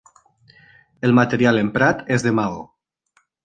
El material emprat és de maó.